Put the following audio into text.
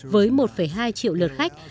với một hai triệu lượt khách